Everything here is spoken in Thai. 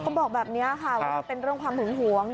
โอ้นี่เธอก็บอกแบบนี้ค่ะว่าเป็นเรื่องความหุงหวง